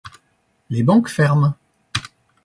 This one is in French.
Les banques ferment.